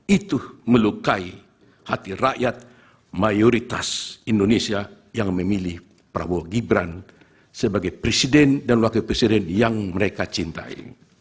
itu melukai hati rakyat mayoritas indonesia yang memilih prabowo gibran sebagai presiden dan wakil presiden yang mereka cintai